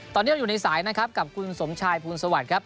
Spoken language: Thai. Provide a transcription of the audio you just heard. ตอนนี้เราอยู่ในสายนะครับกับคุณสมชายภูลสวัสดิ์ครับ